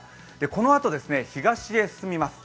このあと東へ進みます。